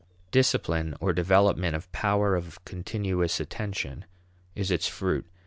Discipline or development of power of continuous attention is its fruit.